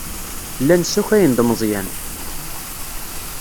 Llan ssakayen-d Meẓyan.